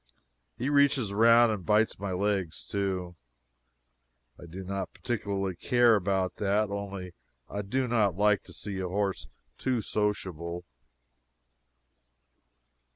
He reaches around and bites my legs too. I do not care particularly about that, only I do not like to see a horse too sociable.